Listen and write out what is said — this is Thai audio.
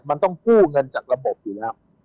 มันต้องกู้เงินจากระบบอยู่แล้ว